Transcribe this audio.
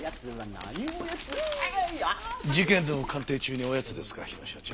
事件の鑑定中におやつですか日野所長。